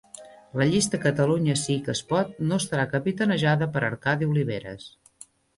La llista Catalunya Sí que es Pot no estarà capitanejada per Arcadi Oliveres